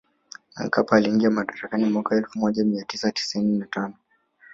Mkapa aliingia madarakani mwaka elfu moja mia tisa tisini na tano